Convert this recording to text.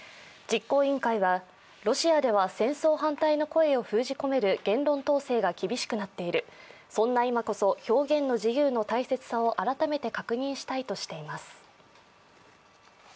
実行委員会は、ロシアでは戦争反対の声を封じ込める言論統制が厳しくなっている、そんな今こそ表現の自由の大切さを改めて確認したいとしています。